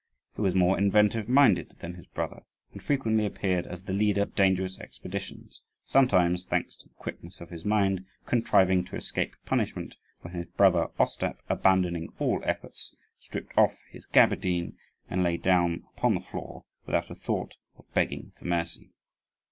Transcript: He was more inventive minded than his brother, and frequently appeared as the leader of dangerous expeditions; sometimes, thanks to the quickness of his mind, contriving to escape punishment when his brother Ostap, abandoning all efforts, stripped off his gaberdine and lay down upon the floor without a thought of begging for mercy.